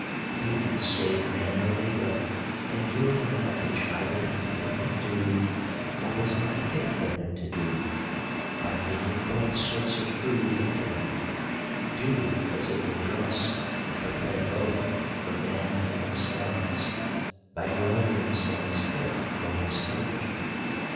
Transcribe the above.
These save man the labor ; and, doing that which either he could not do, or was not fit for him to do, by taking both sorts of food into them, do as it were dress and prepare both for man in themselves, by growing themselves fit for his table.